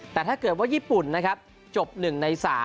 แต่ถ้าเกิดว่าญี่ปุ่นนะครับจบ๑ใน๓